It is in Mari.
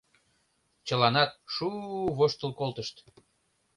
Чыланат шу-у воштыл колтышт.